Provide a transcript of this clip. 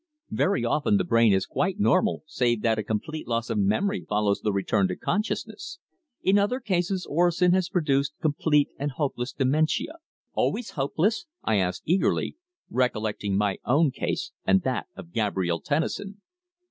"Very often the brain is quite normal, save that a complete loss of memory follows the return to consciousness. In other cases orosin has produced complete and hopeless dementia." "Always hopeless?" I asked eagerly, recollecting my own case and that of Gabrielle Tennison.